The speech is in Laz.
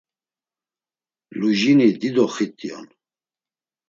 Lujini dido xit̆i on.